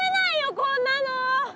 こんなの。